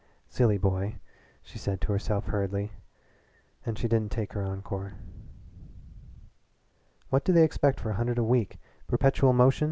"Silly boy!" she said to herself hurriedly, and she didn't take her encore. "What do they expect for a hundred a week perpetual motion?"